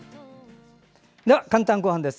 では「かんたんごはん」です。